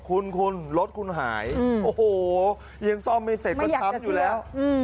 คุณคุณรถคุณหายโอ้โหยังซ่อมไม่เสร็จก็ช้ำอยู่แล้ว